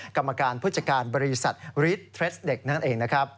กรรมการพฤจการบริษัทริสเทรดส์เด็กนั่นเองนะครับ